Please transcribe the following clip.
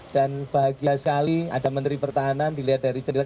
dan bahagia sekali ada menteri pertahanan dilihat dari jendela